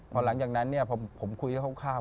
พอหลังจากนั้นพอผมคุยเข้าข้าว